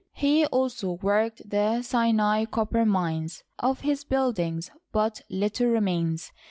He also worked the Sinai copper mines. Of his buildings but little remains.